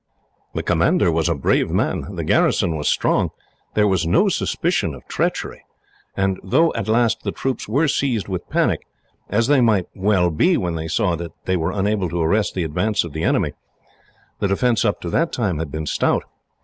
"The commander was a brave man, the garrison was strong, there was no suspicion of treachery; and though, at last, the troops were seized with a panic, as they might well be when they saw that they were unable to arrest the advance of the enemy, the defence up to that time had been stout.